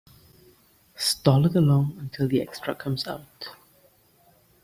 Stall it along until the extra comes out.